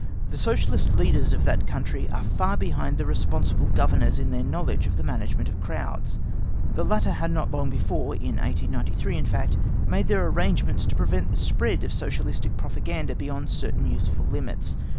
The Socialist leaders of that country are far behind the responsible Governors in their knowledge of the management of crowds. The latter had long before (in 1893, in fact) made their arrangements to prevent the spread of Socialistic propaganda beyond certain useful limits.